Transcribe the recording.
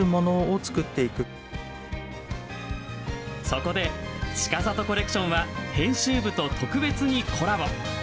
そこで、ちかさとコレクションは編集部と特別にコラボ。